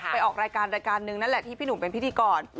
ออกรายการรายการหนึ่งนั่นแหละที่พี่หนุ่มเป็นพิธีกร